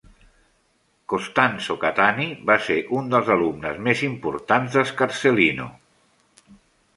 Costanzo Cattani va ser un dels alumnes més importants d'Scarsellino.